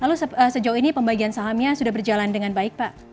jadi sejauh ini pembagian sahamnya sudah berjalan dengan baik pak